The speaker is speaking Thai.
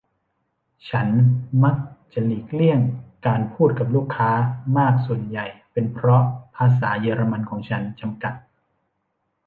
ฉันมักจะหลีกเลี่ยงการพูดกับลูกค้ามากส่วนใหญ่เป็นเพราะภาษาเยอรมันของฉัน จำกัด